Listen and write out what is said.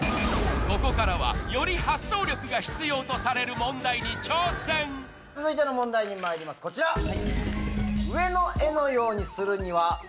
ここからはより発想力が必要とされる問題に挑戦続いての問題にまいりますこちら！